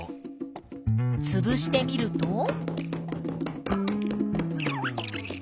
つぶしてみると？